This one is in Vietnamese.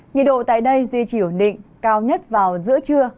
nhiệt độ tại đây duy trì ổn định cao nhất vào giữa trưa